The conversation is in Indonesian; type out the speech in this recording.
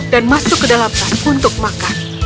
dan masuk ke dalam tas untuk makan